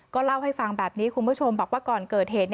เล่าให้ฟังแบบนี้คุณผู้ชมบอกว่าก่อนเกิดเหตุ